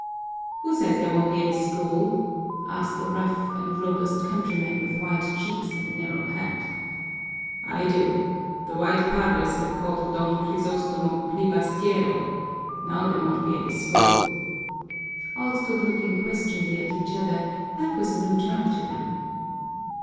"Who says there won't be any school?" asked a rough and robust countryman with wide cheeks and a narrow head. "I do! The white padres have called Don Crisostomo plibastiero. Now there won't be any school." All stood looking questioningly at each other; that was a new term to them.